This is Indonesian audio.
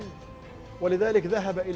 dan memasuki kemampuan orang orang di palestina